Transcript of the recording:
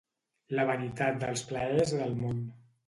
La vanitat dels plaers del món.